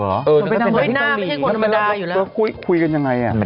เขาเป็นนั่งแบบที่เกาหลีคุยกันยังไงอะ